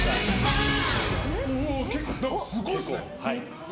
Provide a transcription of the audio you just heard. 結構すごいですね。